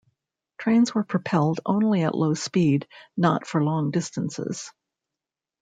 Trains were propelled only at low speed, not for long distances.